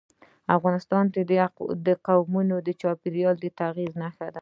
افغانستان کې قومونه د چاپېریال د تغیر نښه ده.